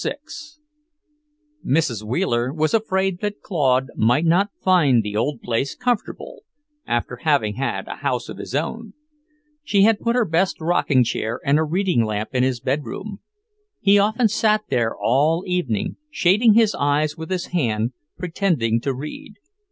VI Mrs. Wheeler was afraid that Claude might not find the old place comfortable, after having had a house of his own. She put her best rocking chair and a reading lamp in his bedroom. He often sat there all evening, shading his eyes with his hand, pretending to read.